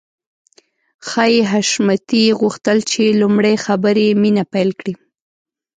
ښايي حشمتي غوښتل چې لومړی خبرې مينه پيل کړي.